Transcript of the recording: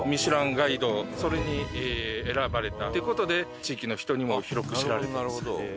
それに選ばれたっていう事で地域の人にも広く知られてます。